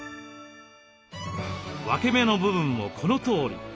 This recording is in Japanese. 分け目の部分もこのとおり。